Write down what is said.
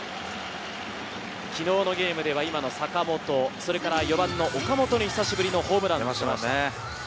昨日のゲームでは今の坂本、４番の岡本に久しぶりのホームランが出ました。